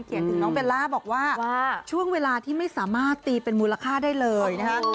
ถึงน้องเบลล่าบอกว่าช่วงเวลาที่ไม่สามารถตีเป็นมูลค่าได้เลยนะคะ